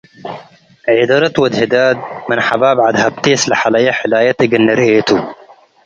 ዔደረት ወድ ህዳድ ምን ሐባብ ዐድ ህብቴስ ለሐለየ ሕላየት እግል ንርኤ ቱ።-